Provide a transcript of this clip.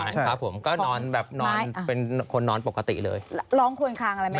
ครับผมก็นอนแบบนอนเป็นคนนอนปกติเลยร้องควนคางอะไรไหม